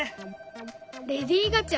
レディー・ガチャ！